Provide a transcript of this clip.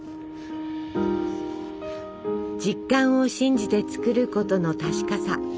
実感を信じて作ることの確かさ。